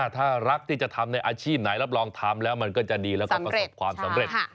ถ้ารักที่จะทำในอาชีพไหนรับรองทำแล้วมันก็จะดีแล้วก็ประสบความสำเร็จ